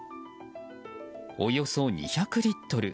およそ２００リットル。